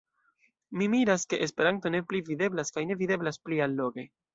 Mi miras, ke Esperanto ne pli videblas, kaj ne videblas pli alloge.